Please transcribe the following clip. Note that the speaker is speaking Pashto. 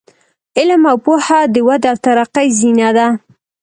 علم او پوهه د ودې او ترقۍ زینه ده.